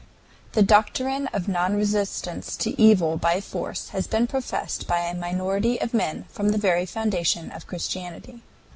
THE DOCTRINE OF NON RESISTANCE TO EVIL BY FORCE HAS BEEN PROFESSED BY A MINORITY OF MEN FROM THE VERY FOUNDATION OF CHRISTIANITY.